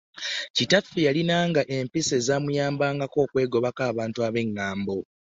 Kitaffe yalinanga empisa ezamuyamba okwegobako abantu bengambo.